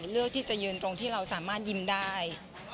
เลือกที่จะยืนตรงที่เราสามารถยิ้มได้